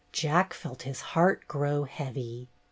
Jack felt his heart grow heavy.